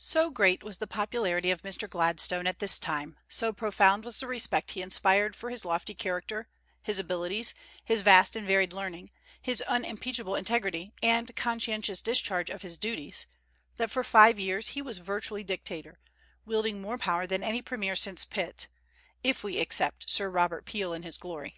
So great was the popularity of Mr. Gladstone at this time, so profound was the respect he inspired for his lofty character, his abilities, his vast and varied learning, his unimpeachable integrity and conscientious discharge of his duties, that for five years he was virtually dictator, wielding more power than any premier since Pitt, if we except Sir Robert Peel in his glory.